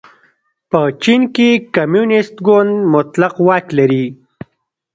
په چین کې کمونېست ګوند مطلق واک لري.